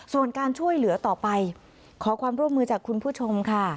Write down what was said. ส่วนการช่วยเหลือต่อไปขอความร่วมมือจากคุณผู้ชมค่ะ